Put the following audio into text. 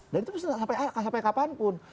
dan itu sampai kapanpun